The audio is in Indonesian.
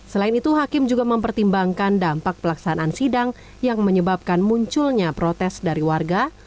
selain itu hakim juga mempertimbangkan dampak pelaksanaan sidang yang menyebabkan munculnya protes dari warga